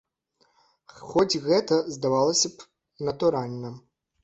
Хоць гэта, здавалася б, натуральна.